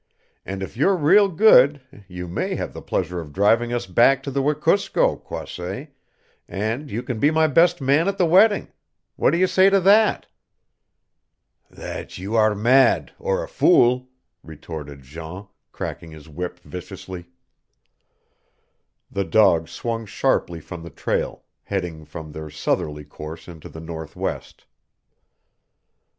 And if you're real good you may have the pleasure of driving us back to the Wekusko, Croisset, and you can be my best man at the wedding. What do you say to that?" "That you are mad or a fool," retorted Jean, cracking his whip viciously. The dogs swung sharply from the trail, heading from their southerly course into the northwest.